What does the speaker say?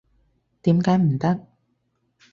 點解唔得？